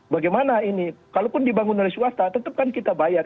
bagaimana ini kalaupun dibangun dari swasta tetap kan kita bayar